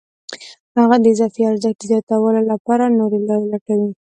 هغه د اضافي ارزښت د زیاتولو لپاره نورې لارې لټوي